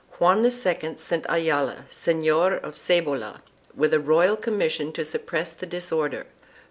Juan II sent Ayala, Senor of Cebolla, with a royal commission to sup press the disorder.